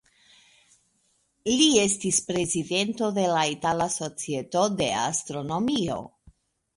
Li estis prezidento de la Itala Societo de Astronomio.